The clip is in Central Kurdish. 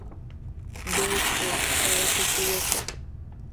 دۆی بخۆ، کارەکەشی بۆ خۆت